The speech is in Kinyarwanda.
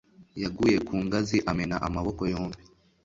yaguye ku ngazi amena amaboko yombi.